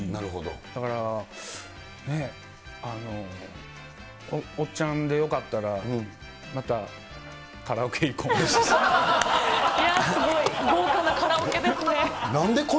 だからね、おっちゃんでよかったら、またカラオケ行こう。